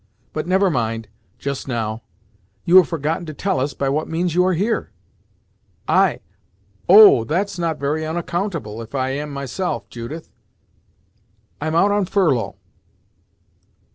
But never mind, just now; you have forgotten to tell us by what means you are here." "I! Oh! That's not very onaccountable, if I am myself, Judith. I'm out on furlough."